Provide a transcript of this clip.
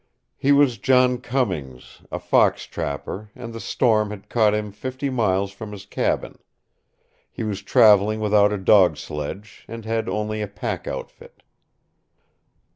He was John Cummings, a fox trapper, and the storm had caught him fifty miles from his cabin. He was traveling without a dog sledge, and had only a pack outfit.